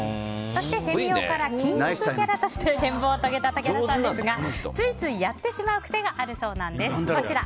そしてフェミ男から筋肉キャラとして変貌を遂げた武田さんですがついついやってしまう癖があるそうです。